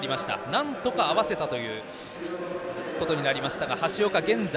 なんとか合わせたということになりましたが橋岡は現在、